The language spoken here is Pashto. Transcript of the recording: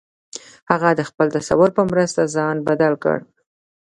هغه د خپل تصور په مرسته ځان بدل کړ